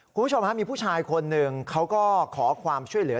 คุณผู้ชมฮะมีผู้ชายคนหนึ่งเขาก็ขอความช่วยเหลือ